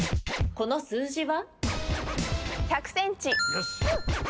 この数字は？